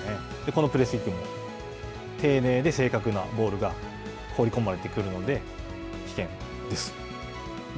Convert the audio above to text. このプレーも、丁寧で正確なボールが放り込まれてくるので、危険です。